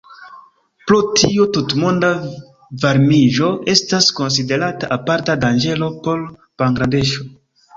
Pro tio, tutmonda varmiĝo estas konsiderata aparta danĝero por Bangladeŝo.